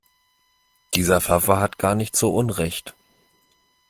Dieser Pfaffe hat gar nicht so Unrecht.